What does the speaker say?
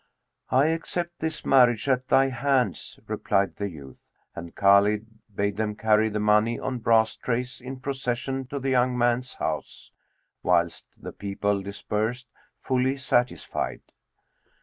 "I accept this marriage at thy hands," replied the youth; and Khбlid bade them carry the money on brass trays in procession to the young man's house, whilst the people dispersed, fully satisfied.